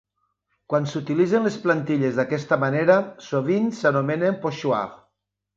Quan s'utilitzen les plantilles d'aquesta manera, sovint s'anomenen "pochoir".